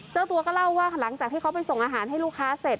เจ้าตัวก็เล่าว่าหลังจากที่เขาไปส่งอาหารให้ลูกค้าเสร็จ